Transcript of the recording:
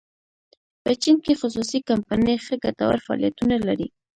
په چین کې خصوصي کمپنۍ ښه ګټور فعالیتونه لري.